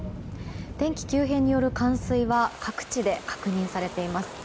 天気急変による冠水は各地で確認されています。